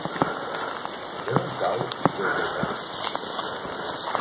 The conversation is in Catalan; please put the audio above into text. Per on cau Lloseta?